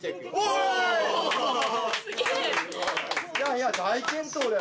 いやいや大健闘だよ！